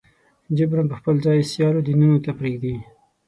جبراً به خپل ځای سیالو دینونو ته پرېږدي.